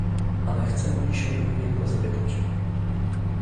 Ale chcę dzisiaj o jedno zapytać